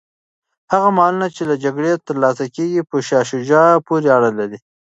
هغه مالونه چي له جګړې ترلاسه کیږي په شاه شجاع پوري اړه لري.